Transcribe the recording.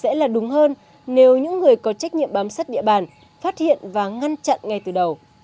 sẽ là đúng hơn nếu những người có trách nhiệm bám sát địa bàn phát hiện và ngăn chặn ngay từ đầu